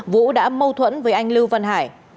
vũ đã mâu thuẫn với anh lưu văn hải